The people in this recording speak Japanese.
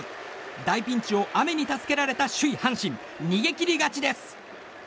大ピンチを雨に助けられた首位、阪神逃げ切り勝ちです。